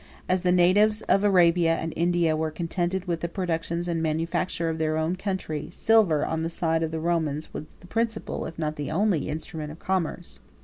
As the natives of Arabia and India were contented with the productions and manufactures of their own country, silver, on the side of the Romans, was the principal, if not the only 1051 instrument of commerce.